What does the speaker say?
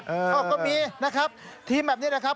เอ้าก็มีนะครับทีมแบบนี้นะครับ